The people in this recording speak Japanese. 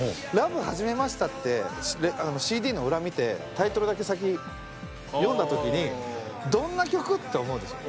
『ＬＯＶＥはじめました』ってＣＤの裏見てタイトルだけ先読んだときに「どんな曲？」って思うでしょ。